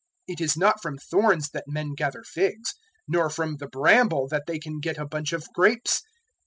It is not from thorns that men gather figs, nor from the bramble that they can get a bunch of grapes.